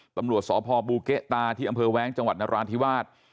ตำรวจสพบูเกะตาที่อำเภอแว้งจังหวัดนราธิวาส